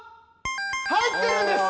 入ってるんです！